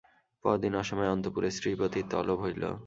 পরদিন অসময়ে অন্তঃপুরে শ্রীপতির তলব হইল।